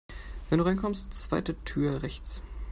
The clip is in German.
Wenn du reinkommst, zweite Tür rechts.